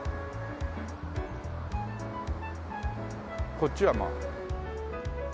こっちはまあ。